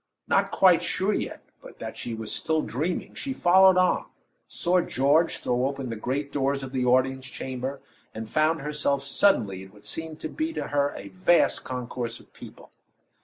Not quite sure yet but that she was still dreaming, she followed on saw George throw open the great doors of the audience chamber, and found herself suddenly in what seemed to her a vast concourse of people.